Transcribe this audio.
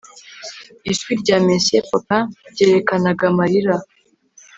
Ijwi rya Monsieur Popain ryerekanaga amarira